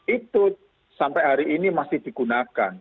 itu sampai hari ini masih digunakan